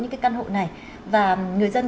những căn hộ này và người dân